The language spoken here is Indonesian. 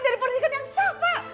dari pernikahan yang sah pak